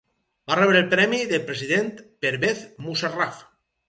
Va rebre el premi del President Pervez Musharraf.